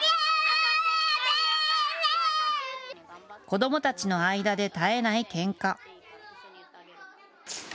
子どもたちの間で絶えないけんか。